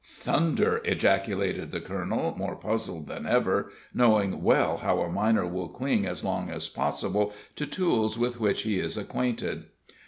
"Thunder!" ejaculated the colonel, more puzzled than ever knowing well how a miner will cling as long as possible to tools with which he is acquainted.